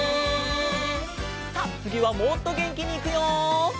さっつぎはもっとげんきにいくよ！